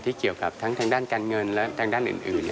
ที่เกี่ยวกับทั้งด้านการเงินและด้านอื่น